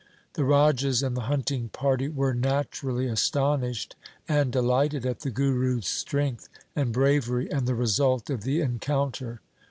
The Rajas and the hunting party were naturally aston ished and delighted at the Guru's strength and bravery and the result of the encounter.